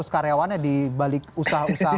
dua ratus karyawannya di balik usaha usaha